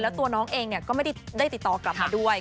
แล้วตัวน้องเองก็ไม่ได้ติดต่อกลับมาด้วย